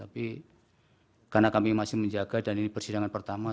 tapi karena kami masih menjaga dan ini persidangan pertama